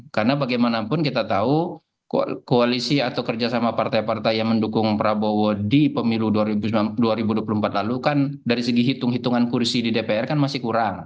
karena bagaimanapun kita tahu koalisi atau kerjasama partai partai yang mendukung prabowo di pemilu dua ribu dua puluh empat lalu kan dari segi hitung hitungan kursi di dpr kan masih kurang